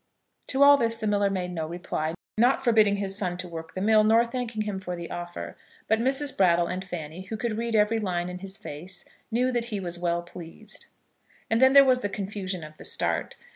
To all this the miller made no reply, not forbidding his son to work the mill, nor thanking him for the offer. But Mrs. Brattle and Fanny, who could read every line in his face, knew that he was well pleased. And then there was the confusion of the start.